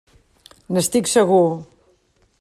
N'estic segur.